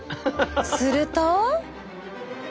すると。